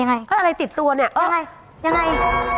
ยังไงอะไรติดตัวนี่